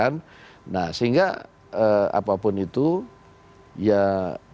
lalu kemudian mengganti yang sudah memang enggak aktif lagi misalnya kan gitu kan